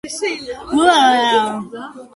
რომის მშვიდობა კუნძულზე მხოლოდ ორჯერ დაირღვა.